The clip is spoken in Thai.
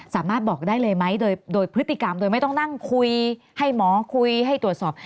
สามารถบอกได้เลยไหมโดยพฤติกรรมโดยไม่ต้องนั่งคุยให้หมอคุยให้ตรวจสอบ